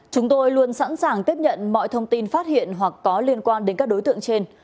chúng tôi luôn sẵn sàng tiếp nhận mọi thông tin phát hiện hoặc có liên quan đến các đối tượng trên